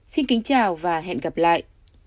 xin kính chào và hẹn gặp lại